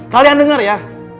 kalian denger ya